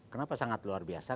kenapa sangat luar biasa